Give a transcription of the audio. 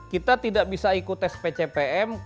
kita tidak bisa ikut tes pcpm